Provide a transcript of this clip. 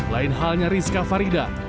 lain halnya rizka farida